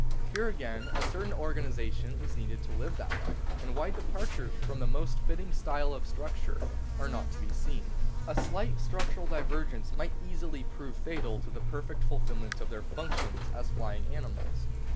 Here again a certain organisation is needful to live that life, and wide departures from the most fitting type of structure are not to be seen. A slight structural divergence might easily prove fatal to the perfect fulfilment of their functions as flying animals.